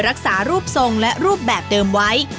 รักษารูปทรงและรูปแบบเดิมไว้